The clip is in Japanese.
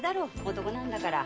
男なんだから。